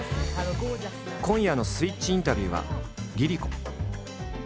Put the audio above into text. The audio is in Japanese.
今夜の「スイッチインタビュー」はＬｉＬｉＣｏ。